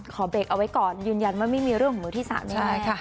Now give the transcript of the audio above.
ขอเบรกเอาไว้ก่อนยืนยันว่าไม่มีเรื่องของมือที่๓แน่นอน